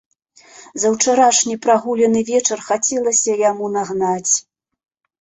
За ўчарашні прагуляны вечар хацелася яму нагнаць.